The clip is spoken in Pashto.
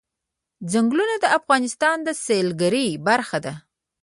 ځنګلونه د افغانستان د سیلګرۍ برخه ده.